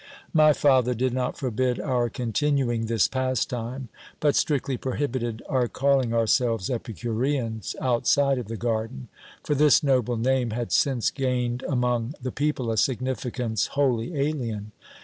"My father did not forbid our continuing this pastime, but strictly prohibited our calling ourselves 'Epicureans' outside of the garden, for this noble name had since gained among the people a significance wholly alien.